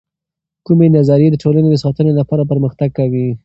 کومې نظریې د ټولنې د ساتنې لپاره پر مختګ کوي؟